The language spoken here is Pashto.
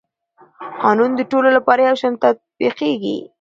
قانون د ټولو لپاره یو شان تطبیقېږي.